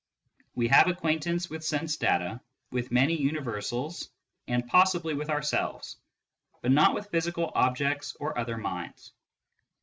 We have acquaintance with sense data, with many universals, and possibly with ourselves, but not with physical objects or other minds.